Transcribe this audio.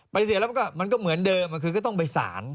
เสียแล้วมันก็เหมือนเดิมคือก็ต้องไปสาร